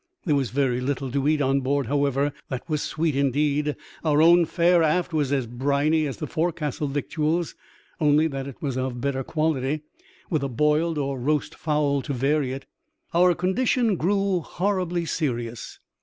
There was very little to eat on board, however, that was sweet. Indeed, our own fare aft was as briny as the forecastle victuals, only that it was of better quality, with a boiled or roast fowl to vary it. Our condition grew horribly serious.